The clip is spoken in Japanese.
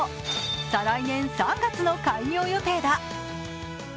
再来年３月の開業予定だ。